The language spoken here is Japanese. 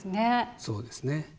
そうですね。